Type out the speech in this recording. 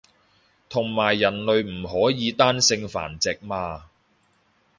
同埋人類唔可以單性繁殖嘛